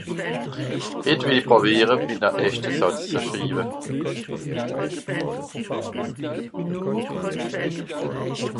Het well i pràwiara, mina erschta Sàtz zu schriwa.